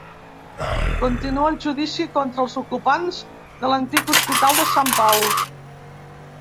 Continua el judici contra els ocupants de l'Antic Hospital de Sant Pau